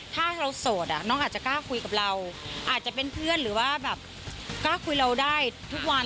ถ้าเราโสดอ่ะน้องอาจจะกล้าคุยกับเราอาจจะเป็นเพื่อนหรือว่าแบบกล้าคุยเราได้ทุกวัน